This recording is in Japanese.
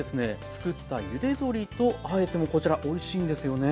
作ったゆで鶏とあえてもこちらおいしいんですよね。